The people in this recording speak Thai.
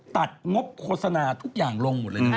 ตัดงบโฆษณาทุกอย่างลงเลยได้